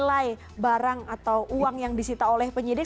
jumlah atau nilai barang atau uang yang disita oleh penyidik